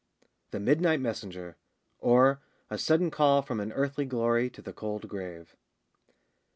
THE MIDNIGHT MESSENGER; OR, A SUDDEN CALL FROM AN EARTHLY GLORY TO THE COLD GRAVE.